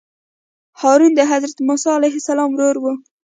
هارون د حضرت موسی علیه السلام ورور وو.